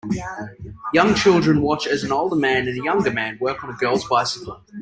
Young children watch as an older man and a younger man work on a girls bicycle.